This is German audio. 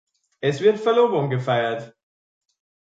Es wird Verlobung gefeiert.